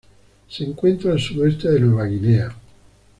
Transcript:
Se encuentra al sudeste de Nueva Guinea.